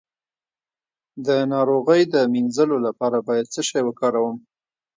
د ناروغۍ د مینځلو لپاره باید څه شی وکاروم؟